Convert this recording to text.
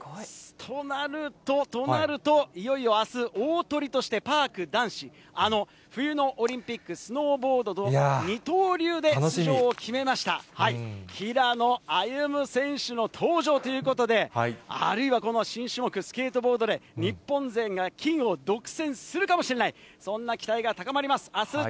となると、となると、いよいよあす、大トリとしてパーク男子、あの冬のオリンピックスノーボードと二刀流で出場を決めました、平野歩夢選手の登場ということで、あるいはこの新種目、スケートボードで、日本勢が金を独占するかもしれない、そんな期待が高まります。